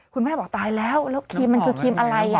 คุณแม่บอกตายแล้วแล้วครีมมันคือครีมอะไร